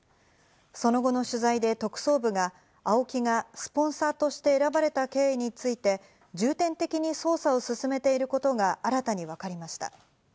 その後の取材で特捜部がＡＯＫＩがスポンサーとして選ばれた経緯について重点的に捜査を進めていることが新たに分かりました。